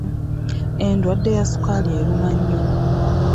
Endwadde ya sukaali eruma nnyo.